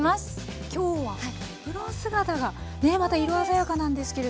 今日はエプロン姿がねまた色鮮やかなんですけれども。